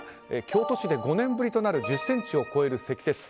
京都市で５年ぶりとなる１０ｃｍを超える積雪。